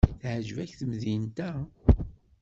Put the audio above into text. Teɛjeb-ak temdint-a?